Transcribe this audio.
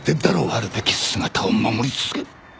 あるべき姿を守り続ける。